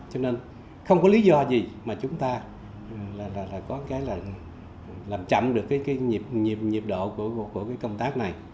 cho nên không có lý do gì mà chúng ta là có cái là làm chậm được cái nhiệm độ của cái công tác này